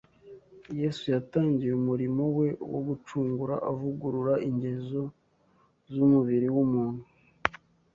Yesu yatangiye umurimo we wo gucungura avugurura ingezo z’umubiri w’umuntu.